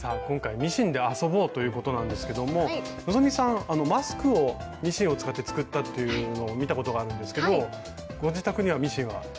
今回「ミシンで遊ぼう！」ということなんですけども希さんマスクをミシンを使って作ったっていうのを見たことがあるんですけどご自宅にはミシンは？